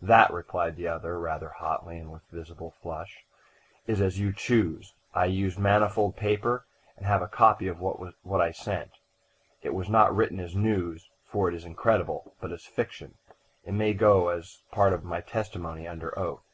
"That," replied the other, rather hotly and with a visible flush, "is as you choose. I used manifold paper and have a copy of what I sent. It was not written as news, for it is incredible, but as fiction. It may go as a part of my testimony under oath."